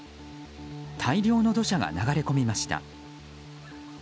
大量の土砂が流れ込みました。